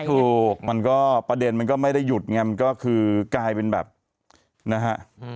ถูกมันก็ประเด็นมันก็ไม่ได้หยุดไงมันก็คือกลายเป็นแบบนะฮะ